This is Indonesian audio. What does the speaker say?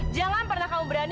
jangan pernah kamu berani